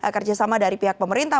kerjasama dari pihak pemerintah